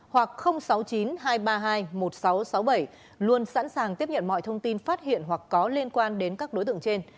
hoặc sáu mươi chín hai trăm ba mươi hai một nghìn sáu trăm sáu mươi bảy luôn sẵn sàng tiếp nhận mọi thông tin phát hiện hoặc có liên quan đến các đối tượng trên